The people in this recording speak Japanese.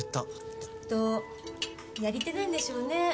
きっとやり手なんでしょうね。